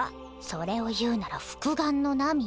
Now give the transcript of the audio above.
それを言うなら複眼の涙。